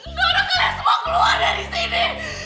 nggak udah kalian semua keluar dari sini